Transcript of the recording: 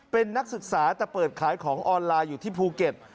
เป็นนักศึกษาแต่เปิดขายของออนไลน์อยู่ที่ภูเก็ต